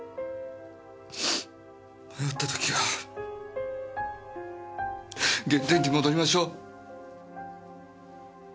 迷った時は原点に戻りましょう。